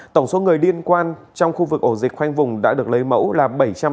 tổng số người liên quan trong khu vực ổ dịch khoanh vùng đã được lấy mẫu là bảy trăm linh